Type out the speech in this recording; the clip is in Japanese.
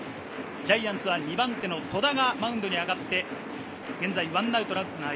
ジャイアンツは２番手の戸田がマウンドに上がって、現在１アウトランナー